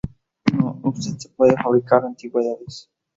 No, usted no puede fabricar antigüedades.